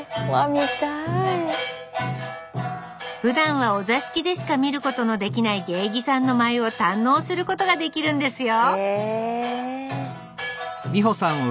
見たい。ふだんはお座敷でしか見ることのできない芸妓さんの舞を堪能することができるんですよ